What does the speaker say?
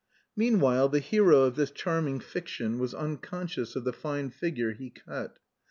Meanwhile the hero of this charming fiction was unconscious of the fine figure he cut.